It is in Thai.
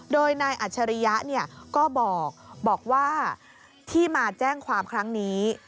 โดยนายอัจฉริยะก็บอกว่าที่มาแจ้งความครั้งนี้